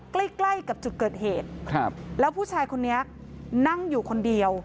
ใกล้ใกล้กับจุดเกิดเหตุครับแล้วผู้ชายคนนี้นั่งอยู่คนเดียว